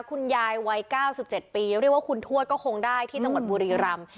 คุณยายวัย๙๗ปีเรียกว่าคุณทวดก็คงได้ที่จังหวัดบุรีรำ